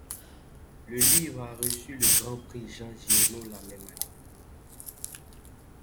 Le livre a reçu le Grand prix Jean Giono la même année.